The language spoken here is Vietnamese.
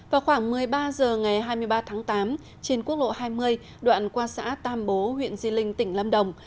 vào khoảng một mươi ba h ngày hai mươi ba tháng tám trên quốc lộ hai mươi đoạn qua xã tam bố huyện di linh tỉnh lâm đồng